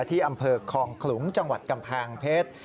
ที่อำเภอคลองขลุงจังหวัดกำแพงเพชร